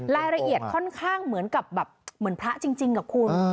รายละเอียดค่อนข้างเหมือนพระจริงกับคุณ